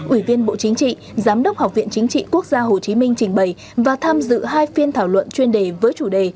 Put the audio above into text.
ủy viên bộ chính trị giám đốc học viện chính trị quốc gia hồ chí minh trình bày và tham dự hai phiên thảo luận chuyên đề với chủ đề